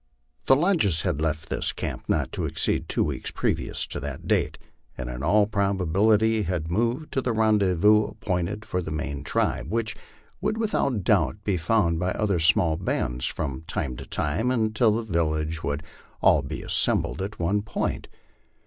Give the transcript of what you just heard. The lodges had left this camp not to exceed two weeks previous to that date, and in all proba bility had moved to the rendezvous appointed for the main tribe, which would without doubt be found by other small bands from time to time, until the vil lage would all be assembled at one point.